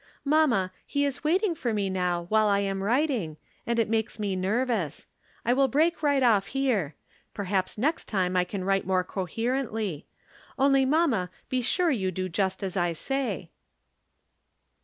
Mamma, he is waiting for me now while I am writing, and it makes me nervous. I will break right off here. Perhaps next time I can write more coherently. Only, mamma, be sure you do just as I say.